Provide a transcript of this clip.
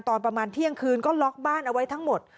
ตอนประมาณเที่ยงคืนก็ล็อกบ้านเอาไว้ทั้งหมด